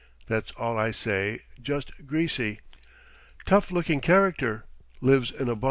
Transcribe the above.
That's all I say just Greasy! Tough looking character. Lives in a barn."